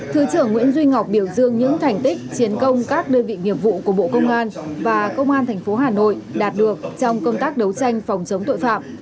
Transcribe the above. thứ trưởng nguyễn duy ngọc biểu dương những thành tích chiến công các đơn vị nghiệp vụ của bộ công an và công an tp hà nội đạt được trong công tác đấu tranh phòng chống tội phạm